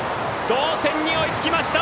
同点に追いつきました！